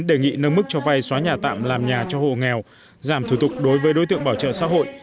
đề nghị nâng mức cho vay xóa nhà tạm làm nhà cho hộ nghèo giảm thủ tục đối với đối tượng bảo trợ xã hội